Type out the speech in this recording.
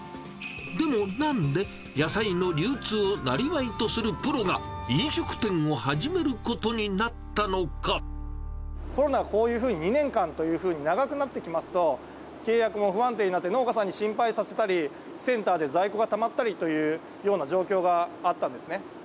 でも、なんで野菜の流通をなりわいとするプロが、飲食店を始めることにコロナがこういうふうに２年間というふうに長くなってきますと、契約も不安定になって、農家さんに心配させたり、センターで在庫がたまったりというような状況があったんですね。